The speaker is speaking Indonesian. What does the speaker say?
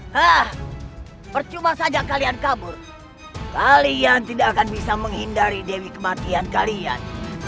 hah percuma saja kalian kabur kalian tidak akan bisa menghindari dewi kematian kalian